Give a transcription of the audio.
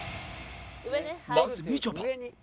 まずみちょぱ